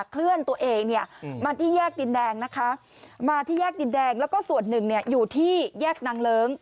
เคลื่อนตัวเองเนี่ยมาที่แยกดินแดงนะคะมาที่แยกดินแดงแล้วก็ส่วนหนึ่งอยู่ที่แยกนางเลิ้ง